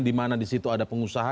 dimana di situ ada pengusaha